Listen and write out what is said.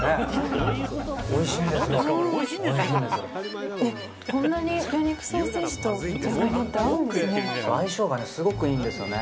おいしいですよね。